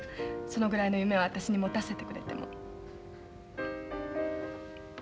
そのぐらいの夢を私に持たせてくれても。